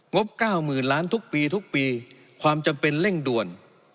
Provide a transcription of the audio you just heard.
งบเก้ามือนล้านทุกปีทุกปีความจำเป็นเร่งด่วน